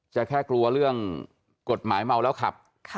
แค่กลัวเรื่องกฎหมายเมาแล้วขับ